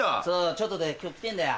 ちょっとね今日来てんだよ。